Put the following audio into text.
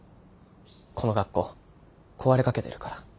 この学校壊れかけてるから。